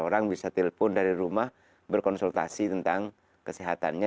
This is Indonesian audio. orang bisa telepon dari rumah berkonsultasi tentang kesehatannya